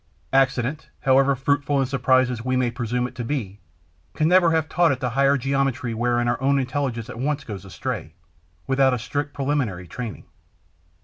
Accident, however fruitful in surprises we may presume it to be, can never have taught it the higher geometry wherein our own intelligence at once goes astray, without a strict preliminary training.